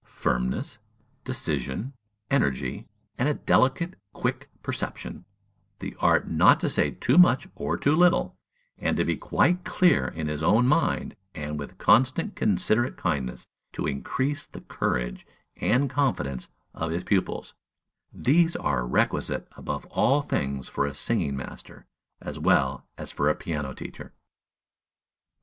Firmness, decision, energy, and a delicate, quick perception; the art not to say too much or too little, and to be quite clear in his own mind, and with constant considerate kindness to increase the courage and confidence of his pupils, these are requisite above all things for a singing master as well as for a piano teacher.